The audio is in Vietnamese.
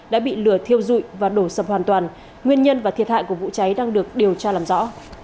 đã bị lửa thiêu dụi và đổ sập hoàn toàn nguyên nhân và thiệt hại của vụ cháy đang được điều tra làm rõ